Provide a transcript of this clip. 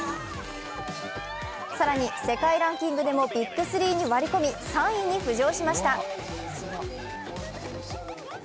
更に世界ランキングでもビッグ３に割り込み３位に浮上しました。